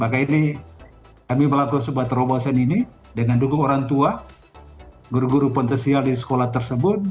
maka ini kami melakukan sebuah terobosan ini dengan dukung orang tua guru guru potensial di sekolah tersebut